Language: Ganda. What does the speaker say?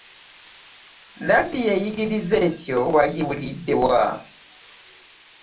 Leediyo eyigiriza etyo wagiwulidde wa?